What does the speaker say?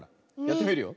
やってみるよ。